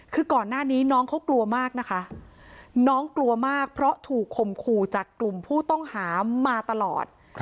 คือก่อนหน้านี้น้องเขากลัวมากนะคะน้องกลัวมากเพราะถูกข่มขู่จากกลุ่มผู้ต้องหามาตลอด